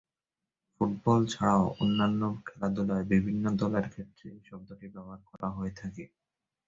Football ছাড়াও অন্যান্য খেলাধুলায় বিভিন্ন দলের ক্ষেত্রে এই শব্দটি ব্যবহার করা হয়ে থাকে।